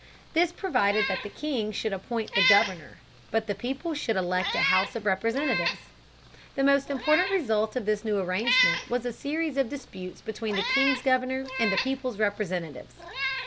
This provided that the king should appoint the governor, but the people should elect a House of Representatives. The most important result of this new arrangement was a series of disputes between the king's governor and the people's representatives.